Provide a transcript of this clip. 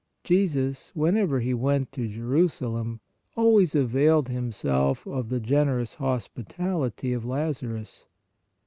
Jesus, whenever He went to Jerusalem always availed Himself of the gen erous hospitality of Lazarus.